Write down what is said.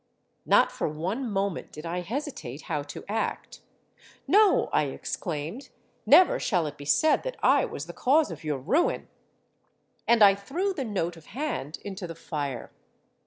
Not for one moment did I hesitate how to act. 'No,' I exclaimed; 'never shall it be said that I was the cause of your ruin;' and I threw the note of hand into the fire.